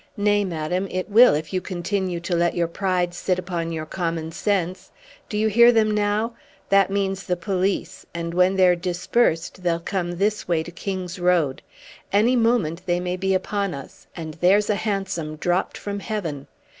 Nay, madam, it will, if you continue to let your pride sit upon your common sense. Do you hear them now? That means the police, and when they're dispersed they'll come this way to King's Road. Any moment they may be upon us. And there's a hansom dropped from heaven!"